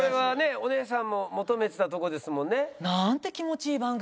お姉さんも求めてたとこですもんね？